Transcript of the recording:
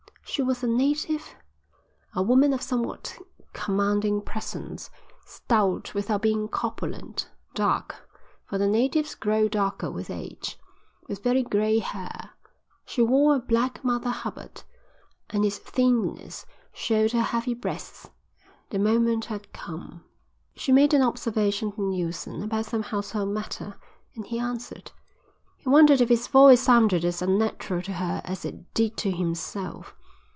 She was a native, a woman of somewhat commanding presence, stout without being corpulent, dark, for the natives grow darker with age, with very grey hair. She wore a black Mother Hubbard, and its thinness showed her heavy breasts. The moment had come. She made an observation to Neilson about some household matter and he answered. He wondered if his voice sounded as unnatural to her as it did to himself.